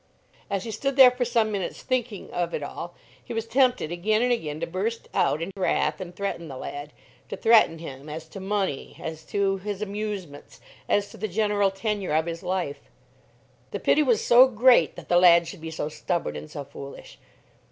As he stood there for some minutes thinking of it all, he was tempted again and again to burst out in wrath and threaten the lad, to threaten him as to money, as to his amusements, as to the general tenure of his life. The pity was so great that the lad should be so stubborn and so foolish!